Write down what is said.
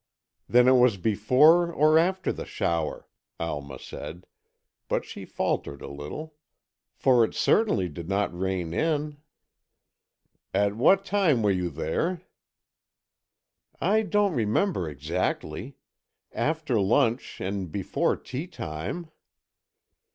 "Then it was before or after the shower," Alma said, but she faltered a little. "For it certainly did not rain in." "At what time were you there?" "I don't remember exactly. After lunch and before tea time."